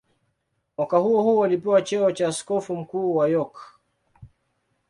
Mwaka huohuo alipewa cheo cha askofu mkuu wa York.